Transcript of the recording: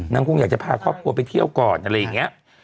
คงอยากจะพาครอบครัวไปเที่ยวก่อนอะไรอย่างนี้